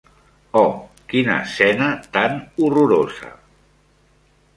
Oh, quina escena tan horrorosa!